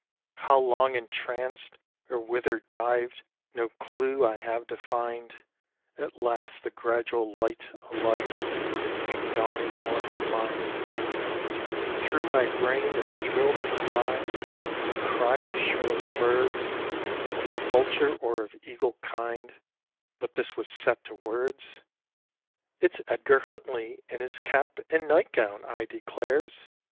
How long entranced, or whither dived, no clue I have to find: At last the gradual light of life came dawning o'er my mind; And through my brain there thrill'd a cry, a cry as shrill as birds Of vulture or of eagle kind, but this was set to words: "It's Edgar Huntley in his cap and nightgown, I declares!